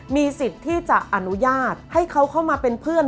มีสิทธิ์ที่จะอนุญาตให้เขาเข้ามาเป็นเพื่อน